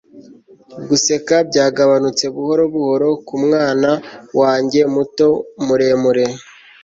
guseka byagabanutse buhoro buhoro nkumwana wanjye muto muremure